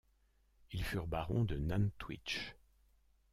Ils furent barons de Nantwich.